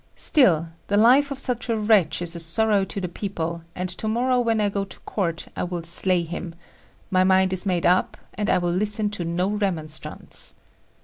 Still the life of such a wretch is a sorrow to the people, and to morrow when I go to Court I will slay him: my mind is made up, and I will listen to no remonstrance."